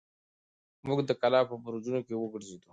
موږ د کلا په برجونو کې وګرځېدو.